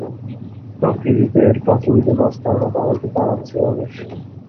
প্রকৃতিতে এর প্রাচুর্য দস্তার মত, এমনকী তামার চেয়ে বেশি।